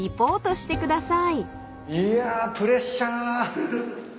いやプレッシャー。